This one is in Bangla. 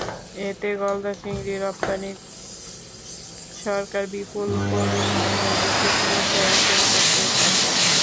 এতে গলদা চিংড়ি রপ্তানি করে সরকার বিপুল পরিমাণ বৈদেশিক মুদ্রা অর্জন করতে পারবে।